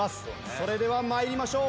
それでは参りましょう。